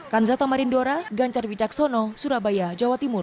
kanzata marindora gancar wijaksono surabaya jawa timur